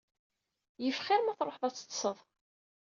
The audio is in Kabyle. Yif xir ma truḥeḍ ad teṭseḍ.